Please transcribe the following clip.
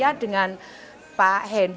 saya dengan pak hendi